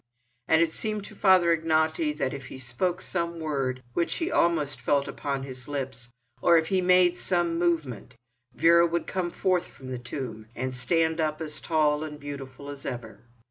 And it seemed to Father Ignaty that if he spoke some word, which he almost felt upon his lips, or if he made some movement, Vera would come forth from the tomb, and stand up as tall and beautiful as ever.